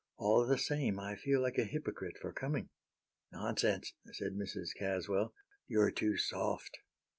"All the same, I feel like a hypocrite for coming." "Nonsense," said Mrs. Caswell; "you're too soft."